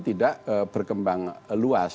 tidak berkembang luas